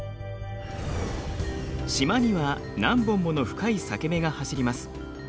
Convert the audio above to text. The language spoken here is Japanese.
島には何本もの深い裂け目が走ります。